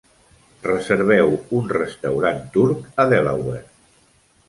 reserveu un restaurant turc a Delaware